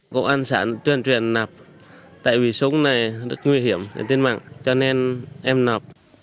công an sản tuyên truyền nạp